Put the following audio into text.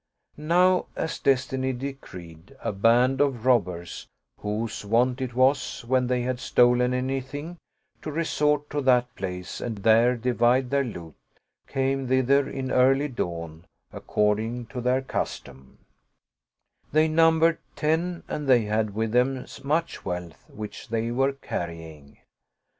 Now, as Destiny decreed, a band of robbers whose wont it was, when they had stolen anything, to resort to that place and there divide their loot, came thither in early dawn, according to their custom ; they numbered ten and they had with them much wealth which they were carrying.